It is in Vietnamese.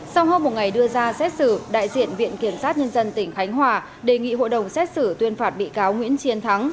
sau hơn một ngày đưa ra xét xử đại diện viện kiểm sát nhân dân tỉnh khánh hòa đề nghị hội đồng xét xử tuyên phạt bị cáo nguyễn chiến thắng